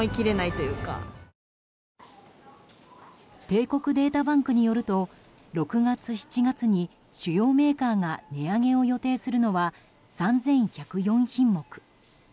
帝国データバンクによると６月、７月に主要メーカーが値上げを予定するのは３１０４品目。